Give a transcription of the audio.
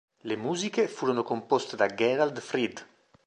Le musiche furono composte da Gerald Fried.